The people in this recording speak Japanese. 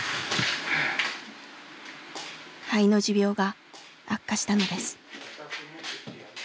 肺の持病が悪化したのです。